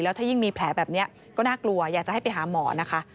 ถ้ายิ่งมีแผลแบบนี้ก็น่ากลัวอยากจะให้ไปหาหมอนะคะ